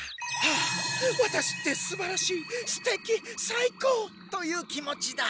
「ああワタシってすばらしいステキさいこう！」という気持ちだ。